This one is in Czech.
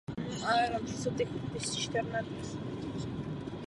Přijala tedy titul Temná Paní ze Sithu.